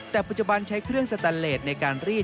แต่ปัจจุบันใช้เครื่องสแตนเลสในการรีด